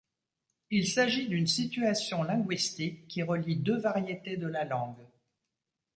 Il s’agit d’une situation linguistique qui relie deux variétés de la langue.